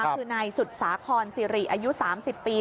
คือในสุดสาขอนซีรีส์อายุ๓๐ปี